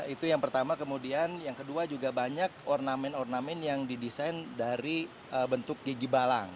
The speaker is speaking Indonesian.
itu yang pertama kemudian yang kedua juga banyak ornamen ornamen yang didesain dari bentuk gigi balang